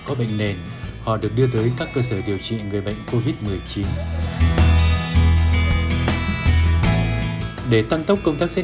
có bệnh nền họ được đưa tới các cơ sở điều trị người bệnh covid một mươi chín để tăng tốc công tác xét